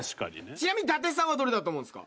ちなみに伊達さんはどれだと思うんですか？